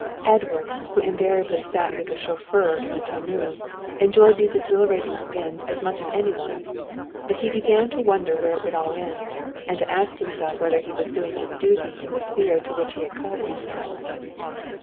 Edward, who invariably sat with the chauffeur in the tonneau, enjoyed these exhilarating spins as much as any one, but he began to wonder where it would all end, and to ask himself whether he was doing his duty in the sphere to which he had called himself.